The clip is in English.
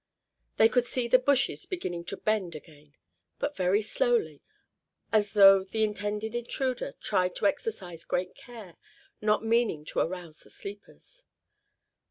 They could see the bushes beginning to bend again, but very slowly, as though the intended intruder tried to exercise great care, not meaning to arouse the sleepers.